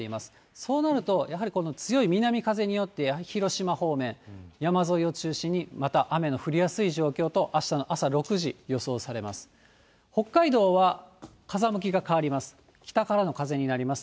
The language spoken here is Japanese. そうなるとやはり、強い南風によって広島方面、山沿いを中心に、また雨の降りやすい状況と、あしたの朝６時、予想されます。